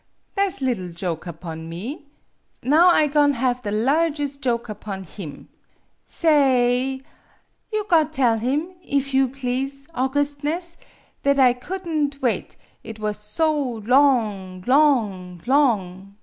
Tha' 's liddle joke upon me. Now I go'n' have the larges' joke upon him. Sa ay you got tell him, if you please, augustness, that I could n't wait, it was so long long long!